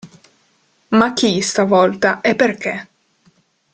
Ma chi, stavolta, e perché?